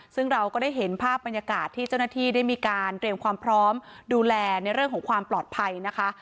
ซึ่งเราก็ได้เห็นภาพบรรยากาศที่เจ้าหน้าที่ได้มีการเตรียมความพร้อมดูแลในเรื่องของความปลอดภัยนะคะ